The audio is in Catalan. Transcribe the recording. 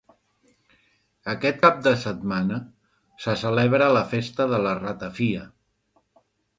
Aquest cap de setmana se celebra la Festa de la Ratafia.